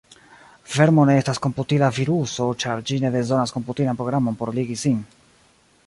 Vermo ne estas komputila viruso ĉar ĝi ne bezonas komputilan programon por ligi sin.